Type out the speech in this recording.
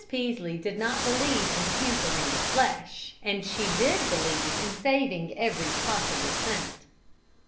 Peaslee did not believe in pampering the flesh, and she did believe in saving every possible cent.